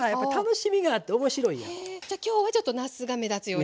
じゃあ今日はちょっとなすが目立つようにとか。